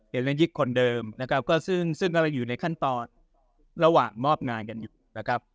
เล่นยิกคนเดิมนะครับก็ซึ่งกำลังอยู่ในขั้นตอนระหว่างมอบงานกันอยู่นะครับ